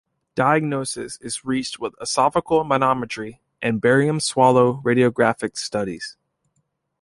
Diagnosis is reached with esophageal manometry and barium swallow radiographic studies.